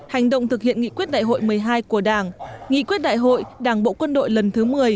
hành động thực hiện nghị quyết đại hội một mươi hai của đảng nghị quyết đại hội đảng bộ quân đội lần thứ một mươi